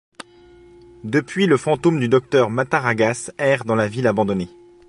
Depuis le fantôme du Docteur Mataragas erre dans la ville abandonnée.